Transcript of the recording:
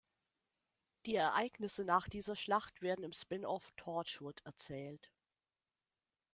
Die Ereignisse nach dieser Schlacht werden im Spin Off Torchwood erzählt.